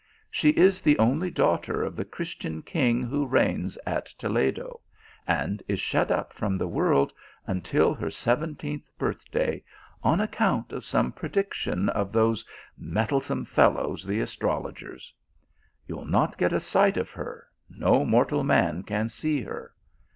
She is the only daughter of the Christian king who reigns at Toledo, and is shut up 208 THE ALHAMBEA. from the world until her seventeenth birth day, on account of some prediction of those meddlesome fellows, the astrologers. You ll not get a sight of her, no mortal man can see her.